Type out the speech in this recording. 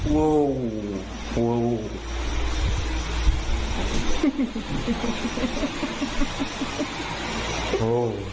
ลองไปฟังนะฮะโห